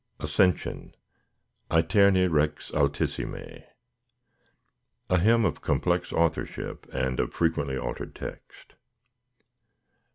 Ascension ÆTERNE REX ALTISSIME A hymn of complex authorship and of frequently altered text.